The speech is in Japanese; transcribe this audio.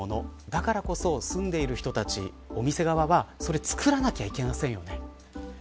だからこそ住んでいる人たちお店側は、それを作らないといけませんよね。